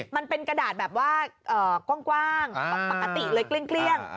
มันเป็นกระดาษแบบว่ากว้างปกติเลยเกลี้ยง